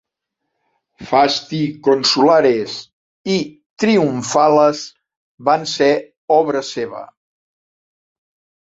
"Fasti Consulares" i "Triumphales" van ser obra seva.